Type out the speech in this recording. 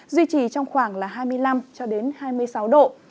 duy trì trong khoảng là hai mươi năm hai mươi sáu độ